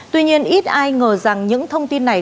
tuy nhiên ít ai ngờ rằng những thông tin này